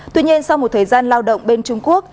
tuy nhiên sau một thời gian lao động bên trung quốc